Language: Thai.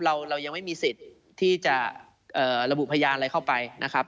เรายังไม่มีสิทธิ์ที่จะระบุพยานอะไรเข้าไปนะครับ